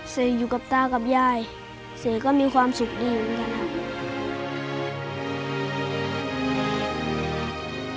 เสอยู่กับตากับยายเสก็มีความสุขดีเหมือนกันครับ